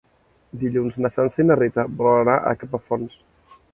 Dilluns na Sança i na Rita volen anar a Capafonts.